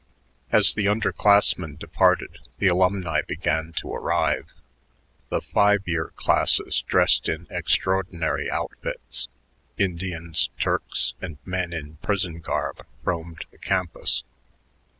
As the under classmen departed, the alumni began to arrive. The "five year" classes dressed in extraordinary outfits Indians, Turks, and men in prison garb roamed the campus.